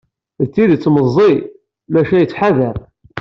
D tidet meẓẓiy, maca yettḥadar.